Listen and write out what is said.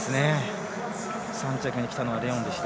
３着にきたのはレオンでした。